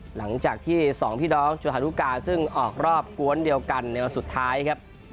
หลังจากที่สองพี่น้องจุธารุกาซึ่งออกรอบกวนเดียวกันในวันสุดท้ายครับ